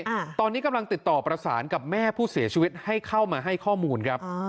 อ่าตอนนี้กำลังติดต่อประสานกับแม่ผู้เสียชีวิตให้เข้ามาให้ข้อมูลครับอ๋อ